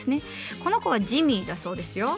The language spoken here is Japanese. この子はジミーだそうですよ。